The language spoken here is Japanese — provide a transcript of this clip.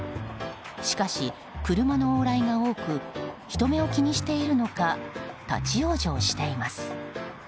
しかし、車の往来が多く人目を気にしているのか立往生しています。